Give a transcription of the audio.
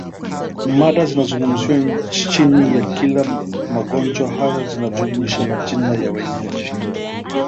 Mada zinazozungumziwa chini ya kila magonjwa hayo zinajumuisha majina ya wenyeji